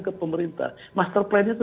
ke pemerintah master plan nya itu